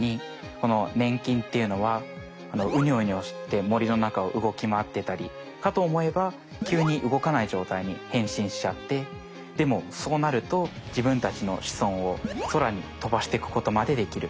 このねん菌っていうのはウニョウニョして森の中を動きまわってたりかとおもえばきゅうに動かないじょうたいに変身しちゃってでもそうなるとじぶんたちの子孫をそらに飛ばしてくことまでできる。